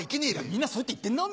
みんなそうやって行ってんだ。